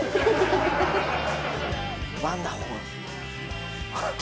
「ワンダホー！」。